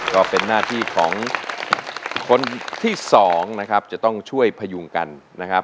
ก็เป็นหน้าที่ของคนที่สองนะครับจะต้องช่วยพยุงกันนะครับ